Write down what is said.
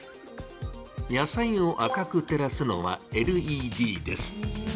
野菜を赤く照らすのはＬＥＤです。